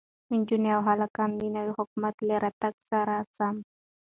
نجونو او هلکانو د نوي حکومت له راتگ سره سم